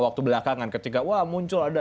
waktu belakangan ketika wah muncul ada